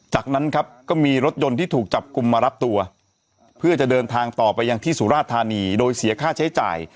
จากนั้นครับก็มีรถยนต์ที่ถูกจับกลุ่มมารับตัวเพื่อจะเดินทางต่อไปยังที่สุราธานีโดยเสียค่าใช้จ่าย